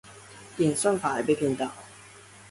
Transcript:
演算法還被騙到